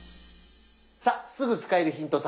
さあすぐ使えるヒント